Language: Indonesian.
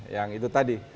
yang itu tadi